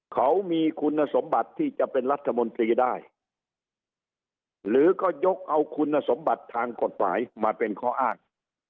เขามีคุณสมบัติที่จะเป็นรัฐมนตรีได้หรือก็ยกเอาคุณสมบัติทางกฎหมายมาเป็นข้ออ้าง